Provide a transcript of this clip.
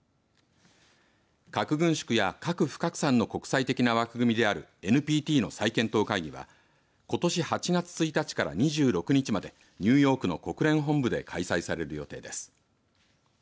核軍縮や核不拡散の国際的な枠組みであるＮＰＴの再検討会議はことし８月１日から２６日までニューヨークの国連本部で開催される予定です。